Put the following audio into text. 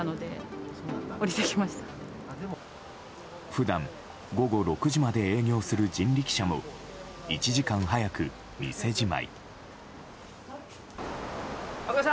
普段、午後６時まで営業する人力車も１時間早く店じまい。